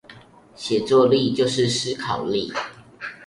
寫作力就是思考力